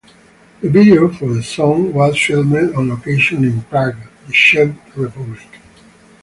The video for the song was filmed on location in Prague, the Czech Republic.